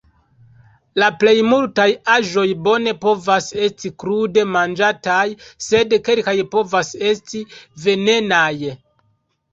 La plej multaj aĵoj bone povas esti krude manĝataj, sed kelkaj povas esti venenaj.